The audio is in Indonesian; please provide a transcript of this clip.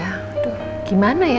aduh gimana ya